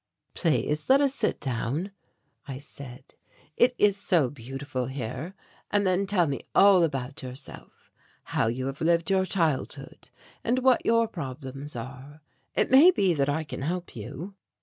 "Please let us sit down," I said; "it is so beautiful here; and then tell me all about yourself, how you have lived your childhood, and what your problems are. It may be that I can help you."